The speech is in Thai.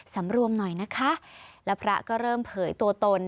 สำรวมหน่อยนะคะแล้วพระก็เริ่มเผยตัวตน